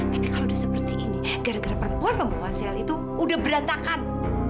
tapi kalau udah seperti ini gara gara perempuan membawa sel itu udah berantakan